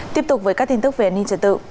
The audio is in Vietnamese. tiếp tục với các tin tức về an ninh trật tự